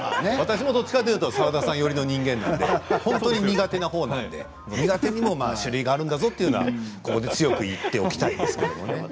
私も澤田さん寄りの人間なので苦手なほうなので苦手にも種類があるんだぞとここで強く言っておきたいですけどね。